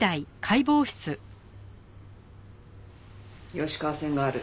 吉川線がある。